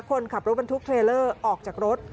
คนขับรถบรรทุกเทรลเลอร์ออกจากรถ